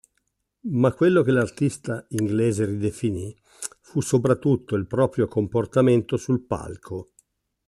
Ma quello che l'artista inglese ridefinì fu soprattutto il proprio comportamento sul palco.